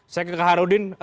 saya ke kak harudin